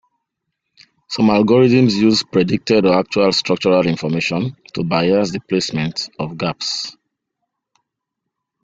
Some algorithms use predicted or actual structural information to bias the placement of gaps.